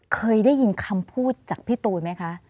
เคยได้ยินคำพูดจากพี่ตูนไหมคะ